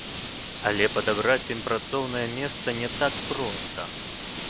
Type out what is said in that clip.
Але падабраць ім працоўнае месца не так проста.